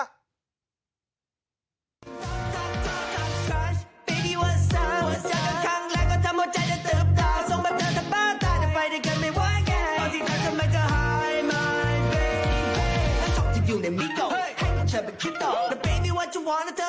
ไทก่จะได้แต่พี่จะหามาให้จะเผ็ดจะพายจะโบ๊คจะปายจะล้องแชแนลว่าเอาไม่ใช่